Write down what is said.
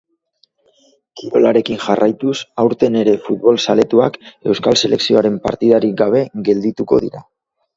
Kirolarekin jarraituz, aurten ere futbol zaletuak euskal selekzioaren partidarik gabe geldituko dira.